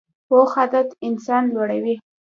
پوخ عادت انسان لوړوي